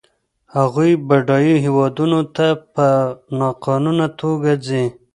هغوی بډایو هېوادونو ته په ناقانونه توګه ځي.